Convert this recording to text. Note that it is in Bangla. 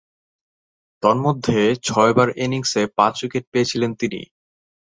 তন্মধ্যে, ছয়বার ইনিংসে পাঁচ-উইকেট পেয়েছিলেন তিনি।